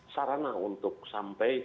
sarana untuk sampai